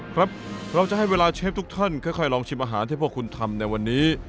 ครับเราจะให้เวลาเชฟทุกท่านค่อยลองชิมอาหารที่พวกคุณทำในวันนี้